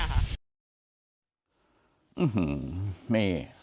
นี่